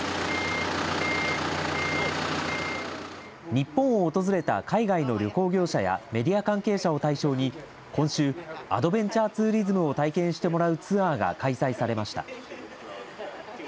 日本を訪れた海外の旅行業者やメディア関係者を対象に、今週、アドベンチャーツーリズムを体験してもらうツアーが開催されました。